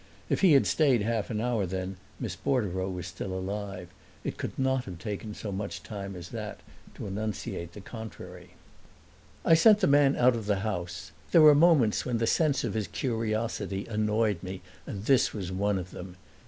If he had stayed half an hour then Miss Bordereau was still alive: it could not have taken so much time as that to enunciate the contrary. I sent the man out of the house; there were moments when the sense of his curiosity annoyed me, and this was one of them.